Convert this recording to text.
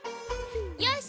よし！